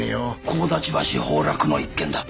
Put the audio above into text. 神立橋崩落の一件だ。